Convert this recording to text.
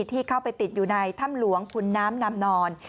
ที่เข้าไปติดอยู่ในถ้ำหลวงขุนน้ำนำนอน